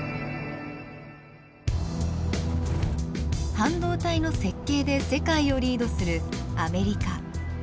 半導体の設計で世界をリードするアメリカ。